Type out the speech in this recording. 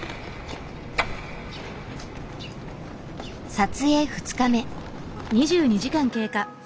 撮影２日目。